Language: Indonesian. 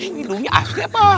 ini hidungnya asli apa